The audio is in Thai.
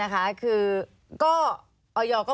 มีความรู้สึกว่ามีความรู้สึกว่า